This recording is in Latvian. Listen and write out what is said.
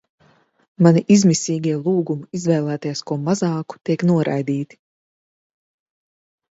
Mani izmisīgie lūgumi izvēlēties ko mazāku tiek noraidīti.